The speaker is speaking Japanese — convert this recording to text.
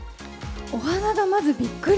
お花がまず、びっくり。